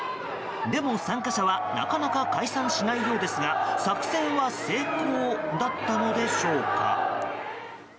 デモ参加者はなかなか解散しないようですが作戦は成功？だったのでしょうか。